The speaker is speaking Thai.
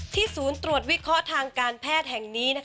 ศูนย์ตรวจวิเคราะห์ทางการแพทย์แห่งนี้